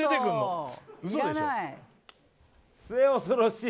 末恐ろしい。